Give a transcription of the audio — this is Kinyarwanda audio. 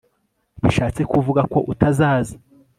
bishatse kuvuga ko utazaza